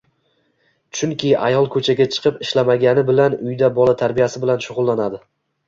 Chunki ayol ko‘chaga chiqib ishlamagani bilan uyda bola tarbiyasi bilan shug‘ullanadi.